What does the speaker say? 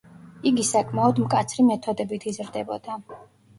იგი საკმაოდ მკაცრი მეთოდებით იზრდებოდა.